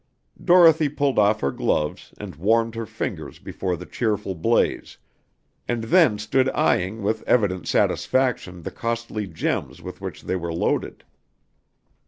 Dorothy pulled off her gloves and warmed her fingers before the cheerful blaze, and then stood eying with evident satisfaction the costly gems with which they were loaded.